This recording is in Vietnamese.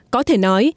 có thể nói